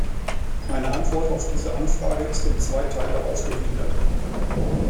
Meine Antwort auf diese Anfrage ist in zwei Teile aufgegliedert.